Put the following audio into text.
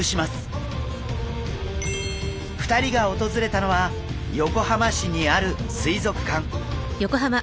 ２人が訪れたのは横浜市にある水族館。